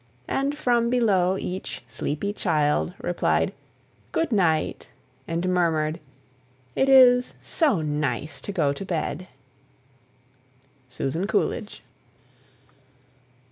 And from below each sleepy child Replied, "Good night," and murmured, "It is so nice to go to bed!" SUSAN COOLIDGE.